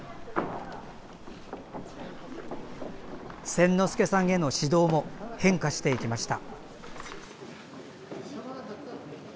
千之助さんへの指導も変化していきました。